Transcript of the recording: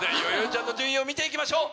ちゃんの順位を見ていきましょう。